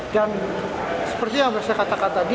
dan seperti yang saya katakan tadi